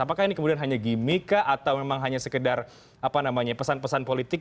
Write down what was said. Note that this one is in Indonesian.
apakah ini kemudian hanya gimmick kah atau memang hanya sekedar pesan pesan politik